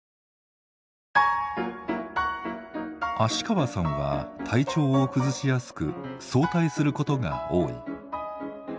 芦川さんは体調を崩しやすく早退することが多い。